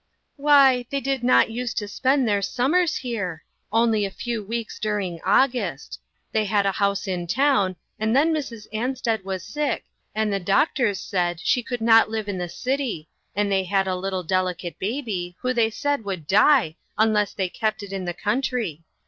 " Why, they did not use to spend their summers here ; only a few weeks during August. They had a house in town , and then Mrs. Ansted was sick, and the doc tors said she could not live in the cit} r , and they had a little delicate baby, who they said would die unless they kept it in the country.